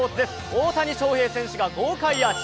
大谷翔平選手が豪快アーチ。